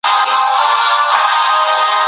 منځلاري خلګ په دې بحثونو کې ځای نه لري.